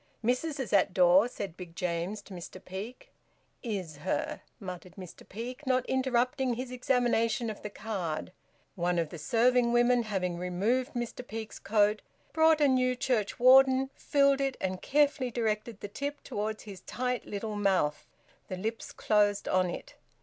"Missis is at door," said Big James to Mr Peake. "Is her?" muttered Mr Peake, not interrupting his examination of the card. One of the serving women, having removed Mr Peake's coat, brought a new church warden, filled it, and carefully directed the tip towards his tight little mouth: the lips closed on it.